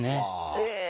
ええ。